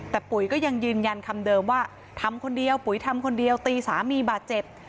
แต่ปุ๋ยก็ยังยืนยันคำเดิมว่าทำคนเดียวปุ๋ยทำคนเดียวตีสามีบาดเจ็บ